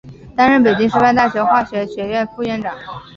担任北京师范大学化学学院副院长。